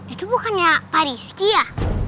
itu bukannya pak rizky ya